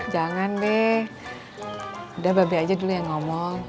jangan be udah ba be aja dulu yang ngomong